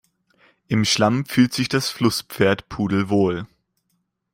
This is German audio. Im Schlamm fühlt sich das Flusspferd pudelwohl.